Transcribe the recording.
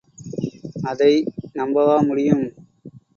அதை நம்பவா முடியும்?